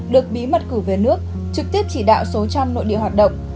được bí mật cử về nước trực tiếp chỉ đạo số trang nội địa hoạt động